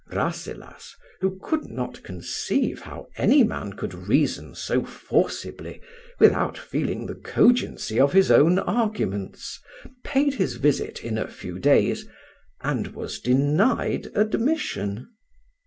Rasselas, who could not conceive how any man could reason so forcibly without feeling the cogency of his own arguments, paid his visit in a few days, and was denied admission.